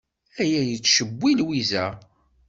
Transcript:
Aya yettcewwil Lwiza.